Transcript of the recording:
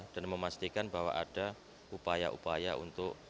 dan memastikan bahwa ada upaya upaya yang bergantung